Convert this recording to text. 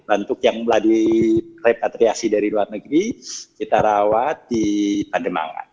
untuk yang melalui repatriasi dari luar negeri kita rawat di pademangan